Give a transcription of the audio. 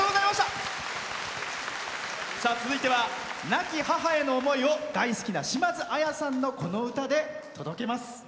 続いては亡き母への思いを大好きな島津亜矢さんのこの歌で届けます。